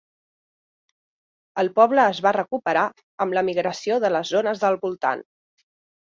El poble es va recuperar amb la migració de les zones del voltant.